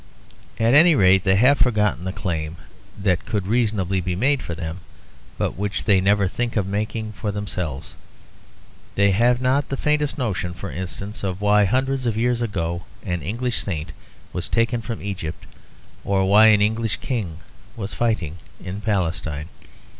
At any rate they have forgotten the claims that could reasonably be made for them, but which they never think of making for themselves. They have not the faintest notion, for instance, of why hundreds of years ago an English saint was taken from Egypt, or why an English king was fighting in Palestine.